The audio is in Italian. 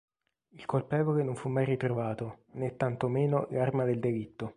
Il colpevole non fu mai ritrovato né tanto meno l’arma del delitto.